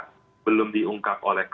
tapi itu sudah belum diungkap oleh kpk